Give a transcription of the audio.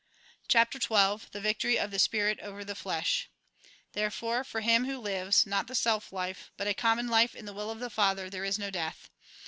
CHAPTEE XII THE VICTORY OF THE SPIRIT OVER THE FLESH Therefore, for him who lives, not the self life, but a common life in the will of the Father, there is no death.